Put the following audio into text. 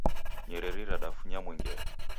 Nyerinyeri radafunya mwengere.